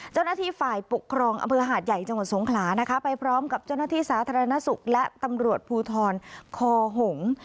เจ้าหน้าที่ฝ่ายปกครองอำเภอหาดใหญ่จังหวัดสงขลานะคะไปพร้อมกับเจ้าหน้าที่สาธารณสุขและตำรวจภูทรคอหงษ์